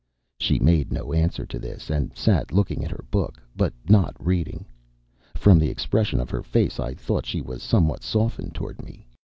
She made no answer to this, and sat looking at her book, but not reading. From the expression of her face, I thought she was somewhat softened toward me.